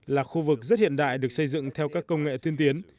là khu vực rất hiện đại được xây dựng theo các công nghệ tiên tiến